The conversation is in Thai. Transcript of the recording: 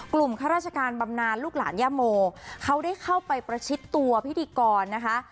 ข้าราชการบำนานลูกหลานย่าโมเขาได้เข้าไปประชิดตัวพิธีกรนะคะ